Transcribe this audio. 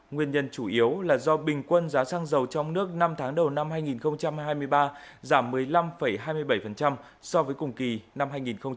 nguyên nhân chủ yếu là do bình quân giá xăng dầu trong nước năm tháng đầu năm hai nghìn hai mươi ba giảm một mươi năm hai mươi bảy so với cùng kỳ năm hai nghìn hai mươi hai